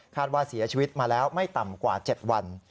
ว่าเสียชีวิตมาแล้วไม่ต่ำกว่า๗วัน